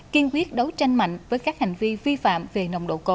kiên quyết đối tranh mạnh với các hành vi phạm về nồng độ cổ